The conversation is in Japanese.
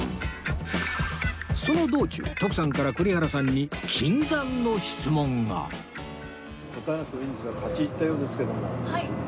その道中徳さんから栗原さんに禁断の質問が答えなくてもいいんですが立ち入ったようですけども。